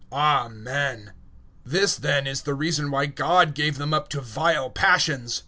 Amen. 001:026 This then is the reason why God gave them up to vile passions.